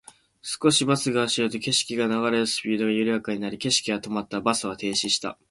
少しバスが走ると、景色が流れるスピードが緩やかになり、景色は止まった。バスは停止した。